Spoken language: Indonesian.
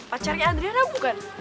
pacarnya adriana bukan